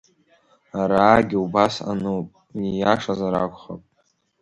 Араагьы убас ануп, ииашазар акәхап…